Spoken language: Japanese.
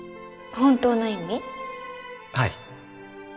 はい。